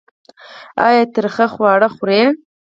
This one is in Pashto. ایا تریخ خواړه خورئ؟